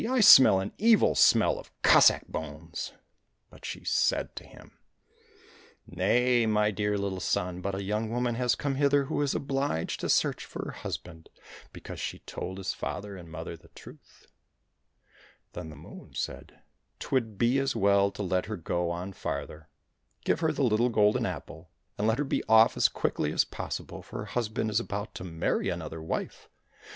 "I smell an evil smell of Cossack bones !"— But she said to him, " Nay, my dear little son, but a young woman has come hither who is obliged to search for her husband because she told his father and mother the truth." Then the Moon said, " 'Twould be as well to let her go on farther. Give her the little golden apple, and let her be off as quickly as possible, for her husband is about to marry zoo THE SERPENT TSAREVICH another wife."